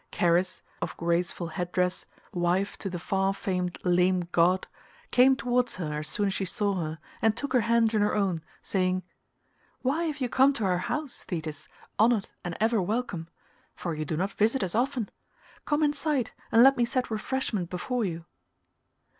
Charis, of graceful head dress, wife to the far famed lame god, came towards her as soon as she saw her, and took her hand in her own, saying, "Why have you come to our house, Thetis, honoured and ever welcome—for you do not visit us often? Come inside and let me set refreshment before you."